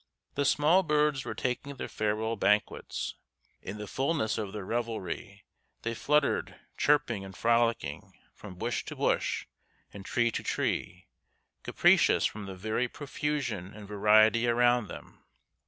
The small birds were taking their farewell banquets. In the fulness of their revelry they fluttered, chirping and frolicking, from bush to bush and tree to tree, capricious from the very profusion and variety around them.